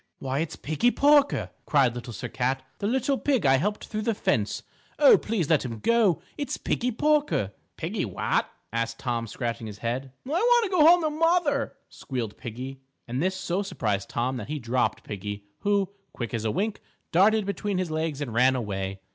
"Why, it's Piggie Porker," cried Little Sir Cat, "the little pig I helped through the fence. O, please let him go. It's Piggie Porker." "Piggie what?" asked Tom, scratching his head. "I want to go home to mother," squealed Piggie, and this so surprised Tom that he dropped Piggie, who, quick as a wink, darted between his legs and ran away.